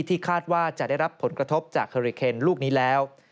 ที่คาดว่าจะได้รับผลกระทบจากเฮอริเคนลูกนี้แล้ว